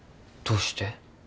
どうして？